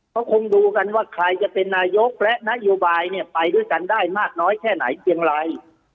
ก็คงดูกันว่าใครจะเป็นนายกและนายบายไปด้วยกันได้มากน้อยแค่ไหนจึงไร